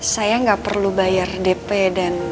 saya nggak perlu bayar dp dan